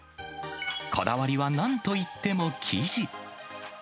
こだわりはなんといっても生地。